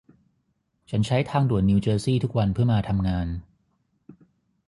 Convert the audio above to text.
ฉันใช้ทางด่วนนิวเจอร์ซี่ทุกวันเพื่อมาทำงาน